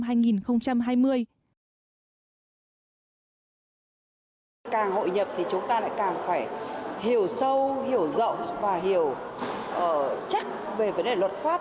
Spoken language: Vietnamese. càng hội càng hội nhập thì chúng ta lại càng phải hiểu sâu hiểu rộng và hiểu chắc về vấn đề luật pháp